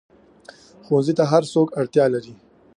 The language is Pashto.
ښوونځی ته هر څوک اړتیا لري